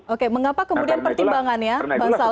oke mengapa kemudian pertimbangannya